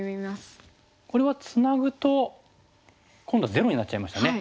これはツナぐと今度ゼロになっちゃいましたね。